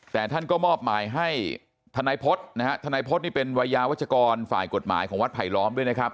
แต่ท่านก็มอบหมายให้ทนายพฤษนะฮะทนายพฤษนี่เป็นวัยยาวัชกรฝ่ายกฎหมายของวัดไผลล้อมด้วยนะครับ